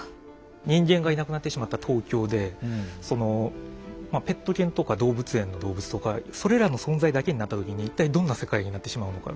人間がいなくなってしまった東京でそのペット犬とか動物園の動物とかそれらの存在だけになった時に一体どんな世界になってしまうのか。